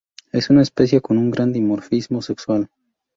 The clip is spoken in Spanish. Es una especie con un gran dimorfismo sexual.